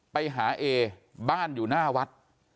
ไปหาเอบ้านอยู่หน้าวัด